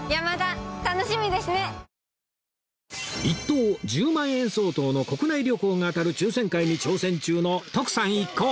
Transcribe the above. １等１０万円相当の国内旅行が当たる抽選会に挑戦中の徳さん一行